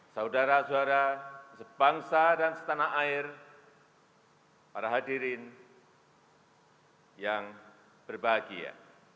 saudara saudara sebangsa dan setanah air para hadirin yang berbahagia